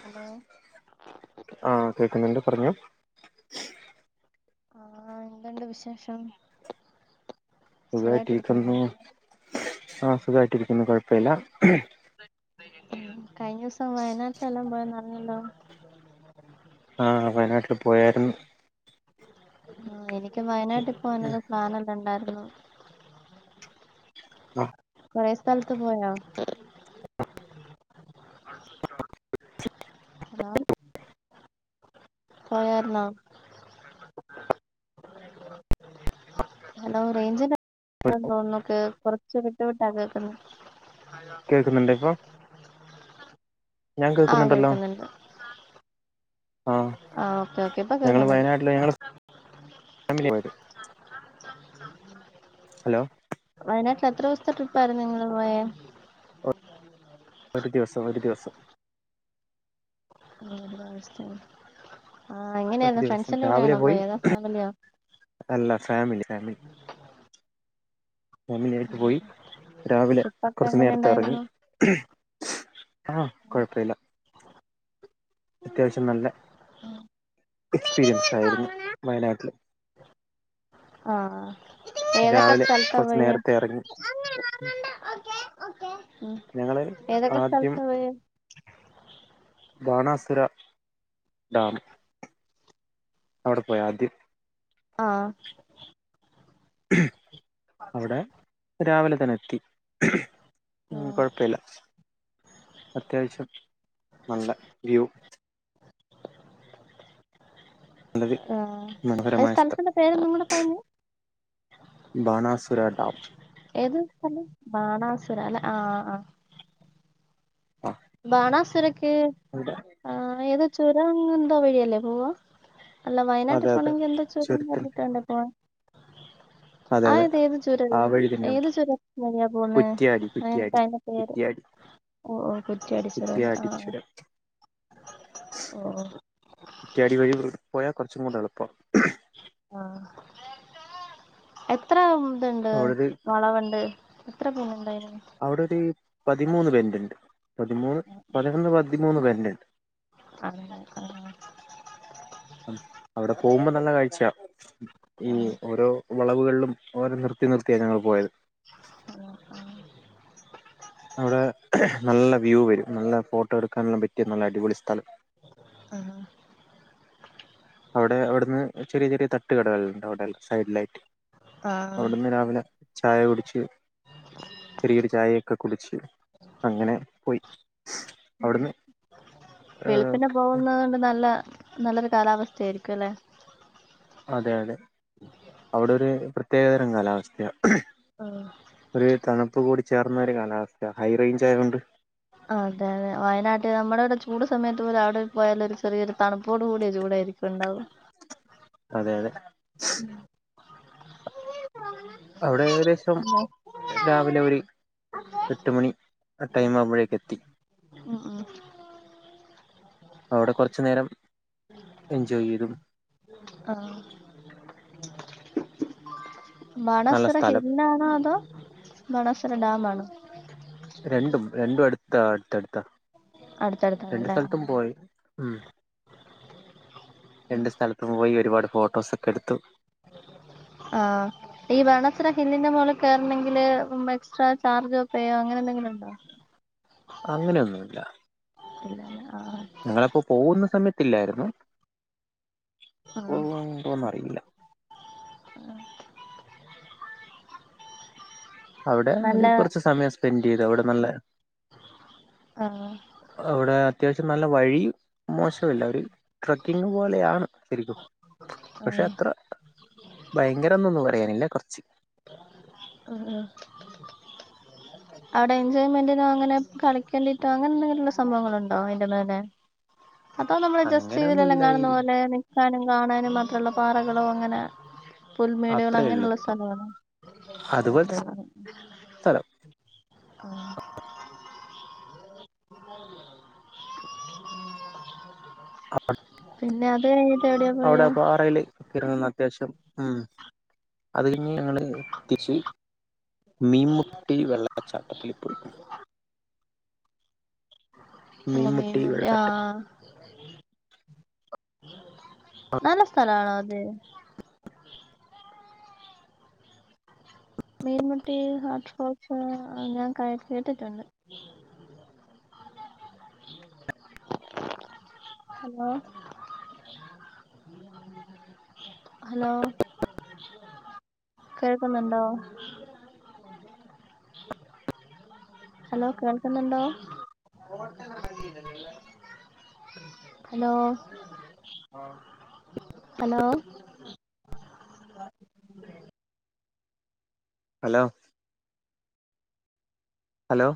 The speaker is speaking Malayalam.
ഹലോ ആഹ കേക്കുന്നുണ്ട് പറഞ്ഞോ ആഹ എന്ത്ണ്ട് വിശേഷം സുഖായിട്ടിരിക്കുന്നോ സുഖമായിട്ടിരിക്കുന്നു ആ സുഖായിട്ടിരിക്കുന്നു കുഴപ്പില്ല കഴിഞ്ഞ ദിവസം വയനാട്ടിലെല്ലാം പോയ നല്ലല്ലോ ആഹ വയനാട്ടിൽ പോയരുന്നു എനിക്ക് വയനാട്ടിൽ പോവാനുള്ള പ്ലാനെല്ലാം ഇണ്ടായിരുന്നു ആഹ് കൊറെ സ്ഥലത്ത് പോയോ [unintelligible] ഹലോ പോയാർന്നോ ഹലോ റേഞ്ച [unintelligible] തോന്നുന്നുോക്കെ കൊറച്ച് വിട്ട വിട്ടാ കേക്കുന്നു അ കേക്കുന്നുണ്ട് ഇപ്പൊ ഞാൻ കേക്കുന്നുണ്ടല്ലോ ആഹ് ആഹ ഓക്കെ ഓക്കെ ഇപ്പൊ ഞങ്ങള് കേക്കുന്നുണ്ട് വയനാട്ടില് ഞങ്ങള് ഫാമിലി പോയത് ആ ഹലോ എത്ര ദിവസത്തെ ട്രിപ്പ ആായിരുന്നു നിങ്ങള് പോയേ ഒരു ദിവസം ഒരു ദിവസം [unintelligible] ആ ഒരു എങ്ങനെയാർന്നു ദിവസം ഫ്രണ്ട്സിന്റെ കൂടെ രാവിലെ ആണോ പോയി പോയേ അതോ ഫാമിലിയോ അല്ല ഫാമിലി ഫാമിലി [unintelligible] പോയി രാവിലെ ട്രിപ്പൊക്കെ കുറച്ചു എങ്ങനെ നേരത്തെ ഇറങ്ങി ആ കുഴപ്പല്ല അത്യാവശ്യം നല്ല എക്സ്പീരിയൻസ് ആയിരുന്നു ഉണ്ടായിരുന്നു വയനാട്ടിൽ ആ ഏതൊക്കെ സ്ഥലത്താ കുറച്ച് പോയ്യ നേരത്തെ ഇറങ്ങി മ് ഞങ്ങള് ഏതൊക്കെ ആദ്യം സ്ഥലത്താ പോയെ ബാണാസുര ഡാം അവിടെ പോയി ആദ്യം ആ അവിടെ രാവിലെ തന്നെ എത്തി മ് കുഴപ്പില്ല അത്യാവശ്യം നല്ല വ്യൂ നല്ലൊരു ആ അ മനോഹരമായ സ്ഥലം സ്ഥൽത്തിന്റെ പേരൊന്നും കൂടെ പറഞ്ഞേ ബാനാസുരാ ഡാം ഏത് സ്ഥലം ബാണാസുര അല്ലെ ആ ആ ആ ബാണസുര [unintelligible] ചുരംഅങ്ങേന്തോ വഴിയല്ലേ പോവ അല്ല അതെ വയനാട്ടിൽ അതെ പോണെങ്കിൽ എന്താ ചുരം ചുരത്തിൽ കേറീട്ടു വേണ്ടേ പോവാൻ അതെ അതെ ആതേത് ഏത് ചുര ആ വഴി തന്നെ ഏത് ചുര വഴിയാ പോകുന്നേ കുറ്റ്യാടി അ കുറ്റ്യാടി അയിന്റെ പേര് കുറ്റ്യാടി ഓ ഓ കുറ്റിയാടി ചുരലേ ആ കുറ്റിയാടി വഴി പോയാ കുറച്ചുകൂടെ എളുപ്പം ആ [unintelligible] എത്ര ഇണ്ട് അവിടെ ഒരു വളവ്ണ്ട് എത്ര [unintelligible] അവിടെ ഒർ പതിമൂന്ന് പെന്റുണ്ട് പതിമൂന്ന് പതിനൊന്ന് പതിമൂന്ന് പെന്റുണ്ട്. ആണല്ലേ ആഹ് [inaudible] മ് അവിടെ പോകുമ്പോ നല്ല കാഴ്ചാ ഈ ആഹ് ഓരോ വളവുകള്ലും ഓരൊ നിർത്തി നിർത്തിയാ ഞങ്ങൾ പോയത്. അതെ ആ അവിടെ നല്ല വ്യൂ വരും നല്ല ഫോട്ടോ എടുക്കാനെല്ലാം പറ്റിയ നല്ല അടിപൊളി സ്ഥലം. ആ അവിടെ അവിട്ന്ന് ചെറിയ ചെറിയ തട്ട്കടകൾണ്ട് അവിടെ സൈഡ് ലായിട്ട്. ആഹ് അവിട്ന്ന് രാവിലെ ചായ കുടിച്ച്. ചെറിയൊരു ചായയൊക്കെ കുടിച്ച് അങ്ങനെ പോയി. മ് അവിടുന്ന് വെളുപ്പ്നെ പോകുന്നത് കൊണ്ട് നല്ല നല്ലൊരു കാലാവസ്ഥയായിരിക്കും ല്ലേ. അതെ അതെ അവിടെരു പ്രത്യേകതരം കാലാവസ്ഥയാ. ആഹ് ഒരു തണുപ്പ് കൂടി ചേർന്നൊരു കാലാവസ്ഥ ഹൈ റേഞ്ച് ആയതൊണ്ട് അതെ അതെ വയനാട്ട് നമ്മുടെ ഇവിടെ ചൂട് സമയത്ത് പോലെ അവിടെ പോയാല് ഒരു ചെറിയൊരു തണുപ്പോട് കൂടിയ ചൂടാ രിക്കുണ്ടാവ അതെ അതെ അവിടെ ഏകദേശം രാവിലെ ഒർ എട്ട് മണി ടൈം ആവുമ്പോഴേ എത്തി ഉം ഉം അവിടെ കുറച് നേരം എൻജോയ് ചെയ്തു ആ നല്ല മണസൊറ സ്ഥലം ഹെല്ലാണോ അതോ മണസൊറ ഡാമാണോ? രണ്ടും രണ്ടും അടുത്താ അടുത്തടുത്താ രണ്ടു അടുത്തടുത്താണല്ലേ ആഹ് സ്ഥൽത്തും പോയി. മ് രണ്ട് സ്ഥലത്തും പോയി ഒരുപാട് ഫോട്ടോസൊക്കെ എടുത്തു. [inaudible] ആ ഈ വേണെസുര ഹില്ലിന്റെ മോള് കേറണെങ്കില് എക്സ്ട്രാ ചാർജോ പേയോ അങ്ങനെ എന്തേങ്കിലുണ്ടോ? അങ്ങനെയൊന്നുല്ല. ഇല്ലാലെ ആഹ് നങ്ങളപ്പോ പോവുന്ന സമയത്തില്ലായിരുന്നു ആ പോകുന്നുണ്ടോന്ന് അറിയില്ല അ അവിടെ നല്ല ഒരു കുറച്ച് സമയം സ്പെൻഡ് ചെയ്തു അവിടെ നല്ല ആ അവിടെ അത്യാവശ്യം നല്ല വഴി മോശമില്ല ഒര് ട്രക്കിങ് പോലെയാണ്. ശരിക്കും പക്ഷെ ആഹ് അത്ര ഭയങ്കരന്നൊന്നും പറയാനില്ല. കുറച്ച് ആ ആ അവിടെ എൻജോയ്മെന്റിനോ അങ്ങനെ കളിക്കേണ്ടിട്ടോ അങ്ങനെ എഎന്തെങ്കിലുള്ള സംഭവങ്ങളുണ്ടോ അതിന്റെ മേലെ. അതോ നമ്മൾ ജസ്റ്റീലിലെല്ലാം അങ്ങനെയൊന്നുമില്ല ഈ കാണുന്ന പോലെ നിക്കാനും കാണാനും മാത്രള്ള- പാറകളോ അങ്ങനെ പുൽമേടുകളോ അത്രേ ഉള്ളൂ അങ്ങനെയുള്ള സ്ഥലങ്ങളാണ്. അത്ര അതുപോലത്തെ സ്ഥലം ആ [inaudible] [inaudible] അ. പിന്നെ അത് എവിടെയാ അവിടെ പോയെ? പാറയില് ഇറങ്ങുന്ന അത്യാവശ്യം ഉം അത് കഴിഞ്ഞ് ഞങ്ങൾ- എത്തിച്ച് മീമുട്ടി വെള്ളച്ചാട്ടത്തിൽ പോയി ആഹ മീൻ മീൻമുട്ടി മുട്ട വെള്ളച്ചാട്ടം ആഹ! നല്ല സ്ഥല ആണോ അത്? മീൻമുട്ടി ഹട്ടോ ഞാൻ കേട്ടിട്ടുണ്ട്. ഹലോ ഹലോ കേൾക്കുന്നുണ്ടോ? ഹലോ കേൾക്കുന്നുണ്ടോ? Hello hello hello hello